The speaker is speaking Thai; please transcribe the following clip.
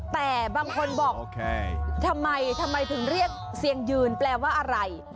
แต่บางคนบอกโอเคทำไมทำไมถึงเรียกเสียงยืนแปลว่าอะไร